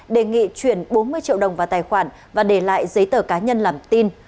đề nghị chuyển bốn mươi triệu đồng vào tài khoản và để lại giấy tờ cá nhân làm tin